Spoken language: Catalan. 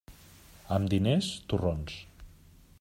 Amb diners, torrons.